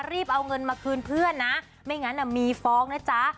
รีบเอาเงินมาคืนเพื่อนนะไม่งั้นมีฟ้องนะจ๊ะ